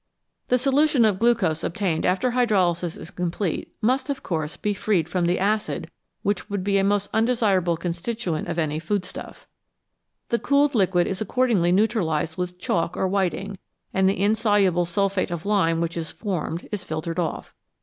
The solution of glucose obtained after hydrolysis is complete must, of course, be freed from the acid, which would be a most undesirable constituent of any food stuff. The cooled liquid is accordingly neutralised with chalk or whiting, and the insoluble sulphate of lime which is formed is filtered off.